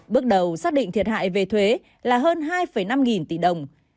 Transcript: bước đầu xác định thiệt hại về thuế là hơn hai năm trăm linh tỷ đồng